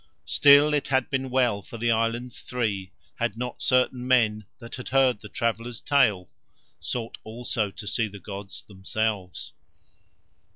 Still it had been well for the Islands Three had not certain men that had heard the travellers' tale sought also to see the gods themselves.